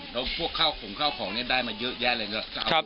แล้วพวกของข้าวของเนี่ยได้มาเยอะแยะเลยนะครับ